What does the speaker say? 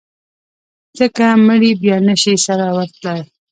ځکه مړي بیا نه شي سره ورتلای.